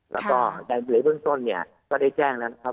แล้วก็ในเลเบิ้ลส้นก็ได้แจ้งนะครับ